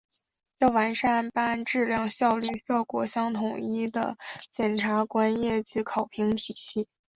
要完善办案质量、效率、效果相统一的检察官业绩考评体系